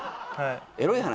エロい話？